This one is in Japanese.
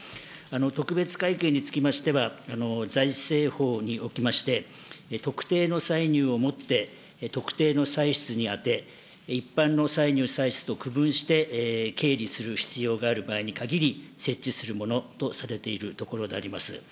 特別会計につきましては、財政法におきまして、特定の歳入を持って特定の歳出に充て、一般の歳入歳出と区分して経理する必要がある場合に限り設置するものとされているところであります。